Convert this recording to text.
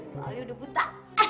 soalnya udah buta